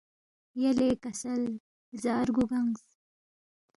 یلے کسل لزا رگُو گنگس